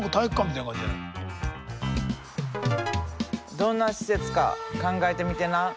どんな施設か考えてみてな。